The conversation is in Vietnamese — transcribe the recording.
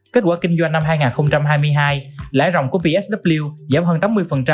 kết quả kinh doanh năm hai nghìn hai mươi hai lãi rộng của psw giảm hơn tám mươi